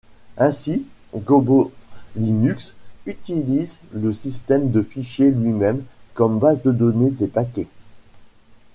Ainsi, GoboLinux utilise le système de fichiers lui-même comme base de données des paquets.